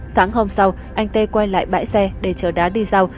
sáng hôm sau anh ttt quay lại bãi xe để chở đá đi rau